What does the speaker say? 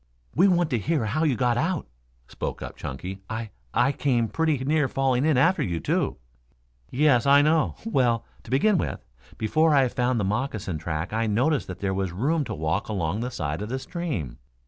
"We want to hear how you got out," spoke up Chunky. "I I came pretty near falling in after you, too." "Yes, I know. Well, to begin with, before I found the moccasin track I noticed that there was room to walk along by the side of the stream.